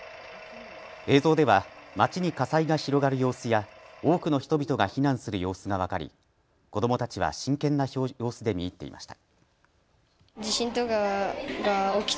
映像では街に火災が広がる様子や多くの人々が避難する様子が分かり子どもたちは真剣な様子で見入っていました。